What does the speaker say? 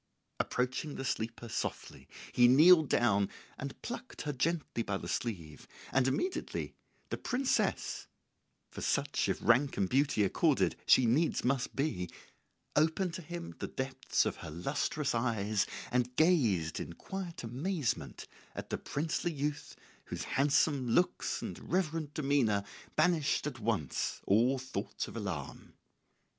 Approaching the sleeper softly, he kneeled down and plucked her gently by the sleeve; and immediately the princess for such if rank and beauty accorded she needs must be opened to him the depths of her lustrous eyes and gazed in quiet amazement at the princely youth whose handsome looks and reverent demeanour banished at once all thought of alarm.